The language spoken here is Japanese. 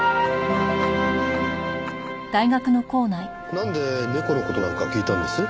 なんで猫の事なんか聞いたんです？